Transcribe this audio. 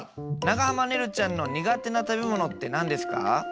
長濱ねるちゃんの苦手な食べ物って何ですか？